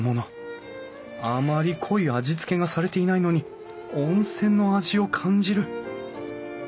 あまり濃い味付けがされていないのに温泉の味を感じる。